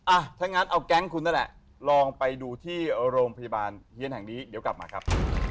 อ่ะถ้างั้นเอาแก๊งคุณนั่นแหละลองไปดูที่โรงพยาบาลเฮียนแห่งนี้เดี๋ยวกลับมาครับ